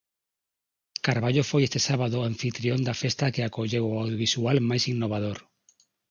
Carballo foi este sábado anfitrión da festa que acolleu ao audiovisual máis innovador.